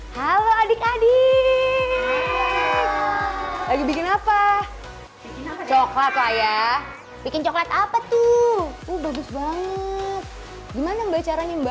halo adik adik lagi bikin apa coklat lah ya bikin coklat apa tuh bagus banget gimana mbak caranya mbak